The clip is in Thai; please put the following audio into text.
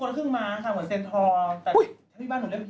แล้วพี่ม้าว่า